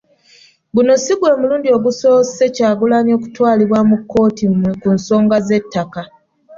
Guno si gwe mulundi ogusoose Kyagulanyi okutwalibwa mu kkooti ku nsonga z'ettaka.